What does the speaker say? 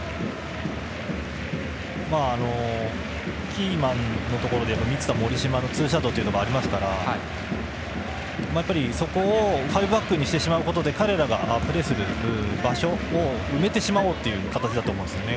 キーマンのところで満田、森島のツーシャドーがありますからやっぱりそこをファイブバックにすることで彼らがプレーする場所を埋めてしまおうという形だと思うんですよね